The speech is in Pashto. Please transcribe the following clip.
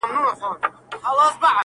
هره ټپه مي ځي میراته د لاهور تر کلي!.